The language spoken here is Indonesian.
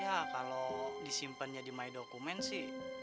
ya kalau disimpan jadi mydocument sih